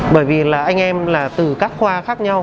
bởi vì là anh em là từ các khoa khác nhau